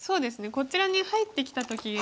こちらに入ってきた時が。